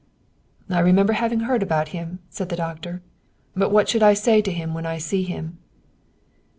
" I remember having heard about him," said the doctor. " But what shall I say to him when I see him